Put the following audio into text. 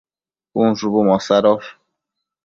cun shubu mosadosh